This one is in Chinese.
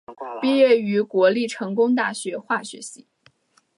毕业于国立成功大学化学系。